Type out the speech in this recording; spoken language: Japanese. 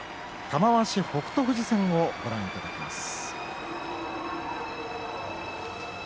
玉鷲、北勝富士戦をご覧いただきます。